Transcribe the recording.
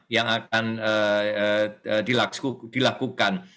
yang akan dilakukan